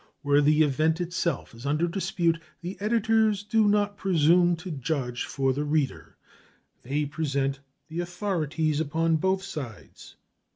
Where the event itself is under dispute, the editors do not presume to judge for the reader; they present the authorities upon both sides.